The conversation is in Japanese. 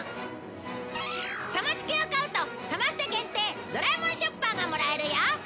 サマチケを買うとサマステ限定ドラえもんショッパーがもらえるよ